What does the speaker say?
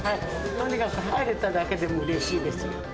とにかく入れただけでもうれしいですよ。